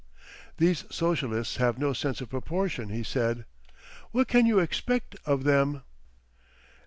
"These socialists have no sense of proportion," he said. "What can you expect of them?"